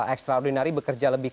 ekstraordinari bekerja lebih